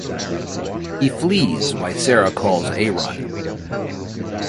He flees while Sarah calls Arun.